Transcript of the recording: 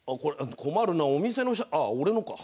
困るなあ、これお店のああ、俺のか。